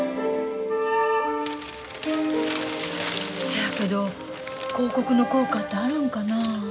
そやけど広告の効果てあるんかなあ。